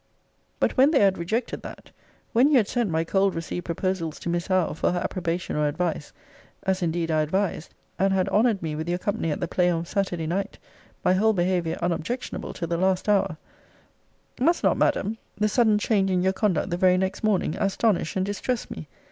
But, when they had rejected that; when you had sent my cold received proposals to Miss Howe for her approbation or advice, as indeed I advised; and had honoured me with your company at the play on Saturday night; (my whole behaviour unobjectionable to the last hour;) must not, Madam, the sudden change in your conduct the very next morning, astonish and distress me?